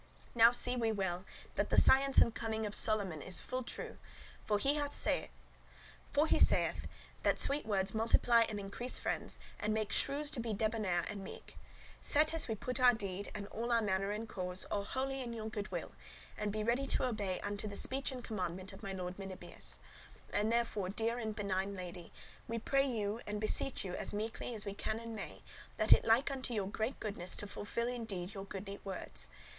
Now see we well, that the science and conning [knowledge] of Solomon is full true; for he saith, that sweet words multiply and increase friends, and make shrews [the ill natured or angry] to be debonair [gentle, courteous] and meek. Certes we put our deed, and all our matter and cause, all wholly in your goodwill, and be ready to obey unto the speech and commandment of my lord Melibœus. And therefore, dear and benign lady, we pray you and beseech you as meekly as we can and may, that it like unto your great goodness to fulfil in deed your goodly words.